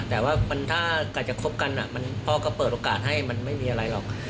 แต่ว่าถ้าการจะคบกันพ่อก็เปิดโอกาสให้มันไม่มีอะไรหรอก